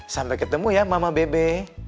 sampai ketemu ya mama bebe